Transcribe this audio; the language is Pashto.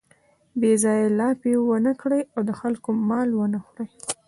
بې ځایه لاپې و نه کړي او د خلکو مال و نه خوري.